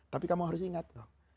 tapi kamu harus ingat loh